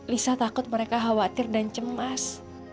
lisa takut mereka khawatir dan cemas